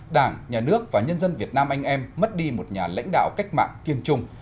đảng nhà nước và nhân dân việt nam anh em mất đi một nhà lãnh đạo cách mạng kiên trung